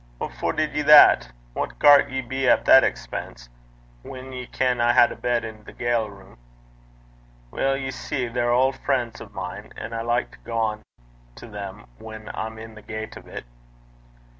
'What for did ye that? What gart ye be at that expense, whan ye kent I had a bed i' the ga'le room?' 'Weel, ye see, they're auld frien's o' mine, and I like to gang to them whan I'm i' the gait o' 't.'